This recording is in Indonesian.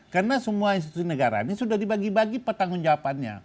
karena semua institusi negara ini sudah dibagi bagi pertanggung jawabannya